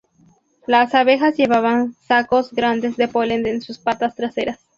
Las abejas llevaban sacos grandes de polen en sus patas traseras.